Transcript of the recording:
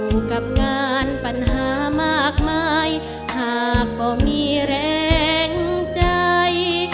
อยู่กับงานปัญหามากมายหากบ่มีแรงใจ